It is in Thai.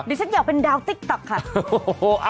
เดี๋ยวฉันอยากเป็นดาวติ๊กต๊อกค่ะ